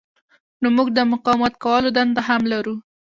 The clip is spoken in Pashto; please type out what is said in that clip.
نو موږ د مقاومت کولو دنده هم لرو.